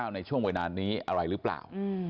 ในช่วงเวลานี้อะไรหรือเปล่า